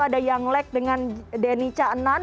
ada yanglek dengan denny chaenan